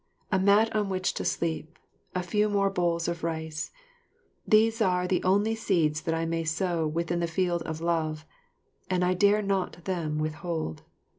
A mat on which to sleep, a few more bowls of rice, these are the only seeds that I may sow within the field of love, and I dare not them withhold.